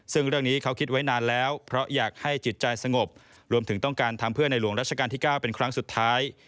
ซึ่งเรื่องนี้เขาคิดไว้นานแล้วเพราะอยากให้จิตใจสงบรวมถึงต้องการทำเพื่อในหลวงรัชกาลที่๙เป็นครั้งสุดท้าย